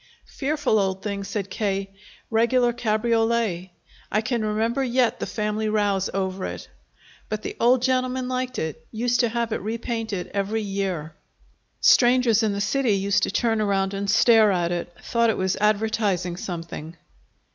"Fearful old thing," said K., "regular cabriolet. I can remember yet the family rows over it. But the old gentleman liked it used to have it repainted every year. Strangers in the city used to turn around and stare at it thought it was advertising something!"